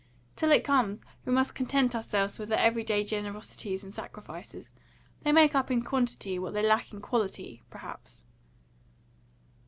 Till it comes, we must content ourselves with the every day generosities and sacrifices. They make up in quantity what they lack in quality, perhaps."